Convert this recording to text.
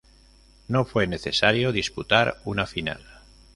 No fue necesario disputar una final.